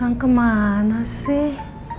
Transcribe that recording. akan kemana sih